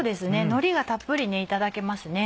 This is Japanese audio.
のりがたっぷりいただけますね。